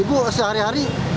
ibu sehari hari cari